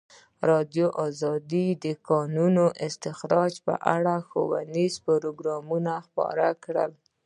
ازادي راډیو د د کانونو استخراج په اړه ښوونیز پروګرامونه خپاره کړي.